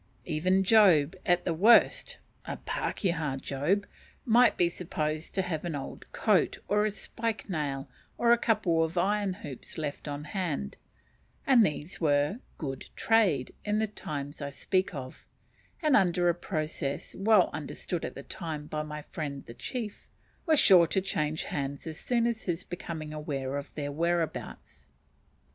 Even Job, at the worst (a pakeha Job), might be supposed to have an old coat, or a spike nail, or a couple of iron hoops left on hand, and these were "good trade" in the times I speak of; and under a process well understood at the time by my friend the chief, were sure to change hands soon after his becoming aware of their whereabouts.